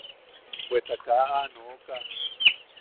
Bweta kaa aa nooka.